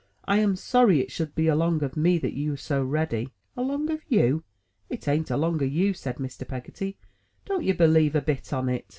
I am sorry it should be along of me that you're so ready." "Along o' you. It an't along o' you!" said Mr. Peggotty. "Don't ye believe a bit on it."